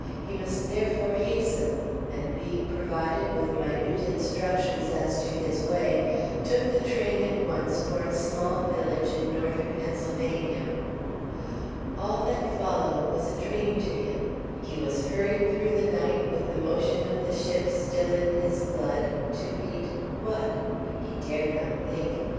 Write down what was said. He must therefore hasten, and, being provided with minute instructions as to his way, took the train at once for a small village in northern Pennsylvania. All that followed was a dream to him. He was hurried through the night, with the motion of the ship still in his blood, to meet what? He dared not think.